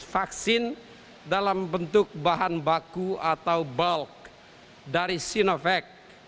vaksin dalam bentuk bahan baku atau bulk dari sinovac